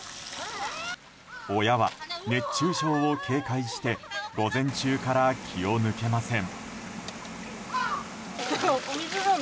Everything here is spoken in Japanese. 親は、熱中症を警戒して午前中から気を抜けません。